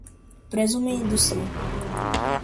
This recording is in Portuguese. presumindo-se